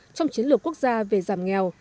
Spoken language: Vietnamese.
trong chiến lược quốc gia về giảm nghèo